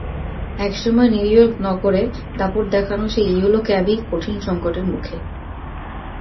একসময় নিউইয়র্ক নগরে দাপট দেখানো সেই ইয়েলো ক্যাবই কঠিন সংকটের মুখে।